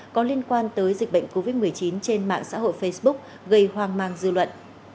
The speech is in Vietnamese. có liên quan tới dịch bệnh covid một mươi chín trên mạng xã hội facebook gây hoang mang dư luận